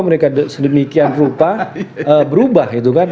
mereka sedemikian rupa berubah gitu kan